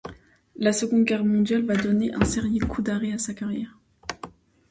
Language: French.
La Seconde Guerre mondiale va donner un sérieux coup d'arrêt à sa carrière.